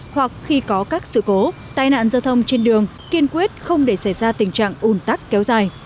hoặc khi có các sự cố tai nạn giao thông trên đường kiên quyết không để xảy ra tình trạng ủn tắc kéo dài